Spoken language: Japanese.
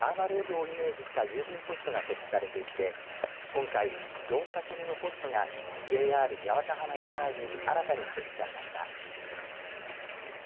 また、市内の各地には大会が開かれるたびにマーマレードをイメージした郵便ポストが設置されていて今回、４か所目のポストがＪＲ八幡浜駅前に新たに設置されました。